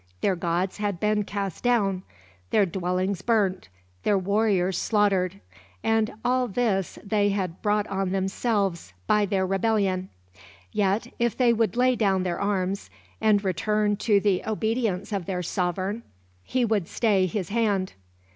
Their gods had been cast down, their dwellings burnt, their warriors slaughtered. And all this they had brought on themselves, by their rebellion. Yet if they would lay down their arms, and return to the obedience of their sovereign, he would stay his hand.